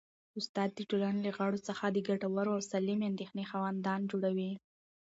استاد د ټولني له غړو څخه د ګټورو او سالمې اندېښنې خاوندان جوړوي.